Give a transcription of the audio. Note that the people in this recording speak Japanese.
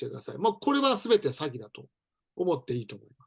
これはすべて詐欺だと思っていいと思います。